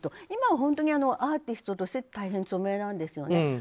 今は本当にアーティストとして大変著名なんですよね。